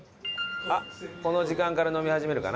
この時間から飲み始めるかな？